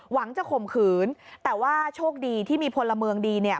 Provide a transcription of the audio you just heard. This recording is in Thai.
หวังจะข่มขืนแต่ว่าโชคดีที่มีพลเมืองดีเนี่ย